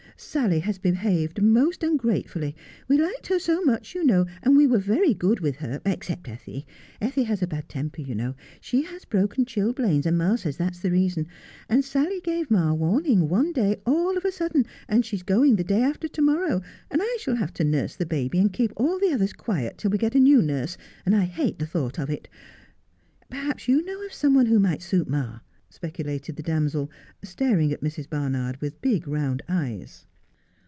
' Sally has behaved most ungratefully. We liked her so much, you know, and we were very good with her, except Ethie. Ethie has a bad temper, you know — she has broken chilblains, and ma says that's the reason — and Sally gave ma warning one day, all of a sudden, and she's going the dav after to morrow, and I shall have to nurse the baby and keep all the others quiet till we get a new nurse, and I hate the thought of it. Perhaps you know of some one who might suit ma 1 ' specu lated the damsel, staring at Mrs. Barnard with big round eyes.